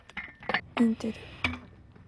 インテル